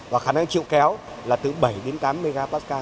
và khả năng chịu kéo là từ bảy đến tám mpa